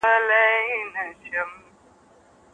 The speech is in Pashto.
ځینې خلک فشار پټ ساتي.